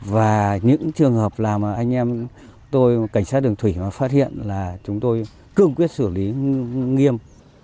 và những trường hợp là mà anh em tôi cảnh sát đường thủy mà phát hiện là chúng tôi cương quyết sửa lý nghiêm